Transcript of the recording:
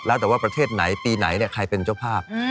แล้วแต่ว่าประเทศไหนปีไหนใครเป็นเจ้าภาพ